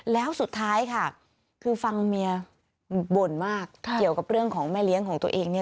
แล้วสุดท้ายค่ะคือฟังเมียบ่นมากเกี่ยวกับเรื่องของแม่เลี้ยงของตัวเองเนี่ย